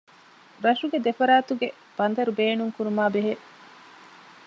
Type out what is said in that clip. ރަށުގެ ދެފަރާތުގެ ބަނދަރު ބޭނުންކުރުމާ ބެހޭ